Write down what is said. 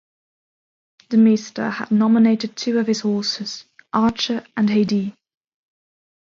De Mestre had nominated two of his horses, Archer and Haidee.